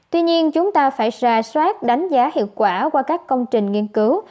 tuy nhiên chúng ta phải ra soát đánh giá hiệu quả qua các công trình nghiên cứu